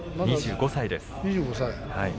２５歳です。